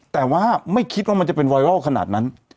แต่ว่าไม่คิดว่ามันจะเป็นไวรัลขนาดนั้น